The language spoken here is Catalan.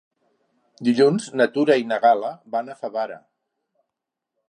Dilluns na Tura i na Gal·la van a Favara.